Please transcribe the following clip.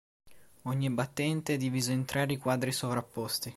Ogni battente è diviso in tre riquadri sovrapposti.